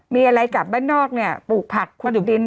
มีอะไรกลับบ้านนอกเนี่ยปลูกผักคนดุดิน